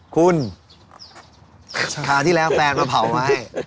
คุณคราวที่แล้วแฟนมาเผามาให้